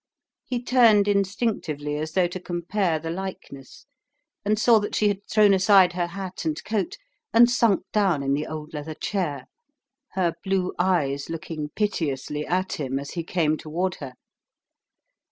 He turned instinctively as though to compare the likeness and saw that she had thrown aside her hat and coat and sunk down in the old leather chair, her blue eyes looking piteously at him as he came toward her.